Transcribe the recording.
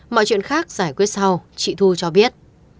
mọi chuyện khác giải quyết sau chị thu cho biết